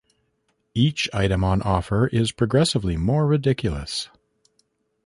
Each item on offer is progressively more ridiculous.